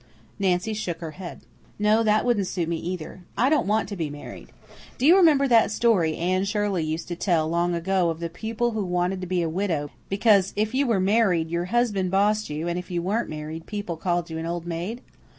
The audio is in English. Nancy shook her head. "No, that wouldn't suit me either. I don't want to be married. Do you remember that story Anne Shirley used to tell long ago of the pupil who wanted to be a widow because 'if you were married your husband bossed you and if you weren't married people called you an old maid?